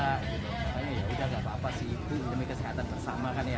kayaknya yaudah gak apa apa sih itu demi kesehatan bersama kan ya